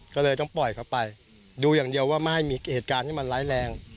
ก็เลยต้องปล่อยเขาไปดูอย่างเดียวว่าไม่ให้มีเหตุการณ์ที่มันร้ายแรง